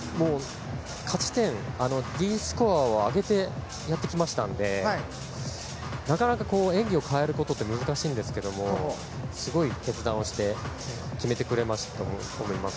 価値点、Ｄスコアを上げてやってきましたのでなかなか演技を変えることって難しいんですけどすごい決断をして決めてくれたと思います。